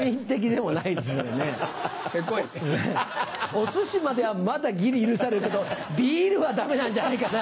お寿司まではまだギリ許されるけどビールはダメなんじゃないかな。